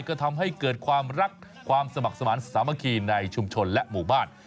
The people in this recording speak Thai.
ก็ทำให้เกิดความรักความสมัครสมาธิสามัคคีในชุมชนและหมู่บ้าน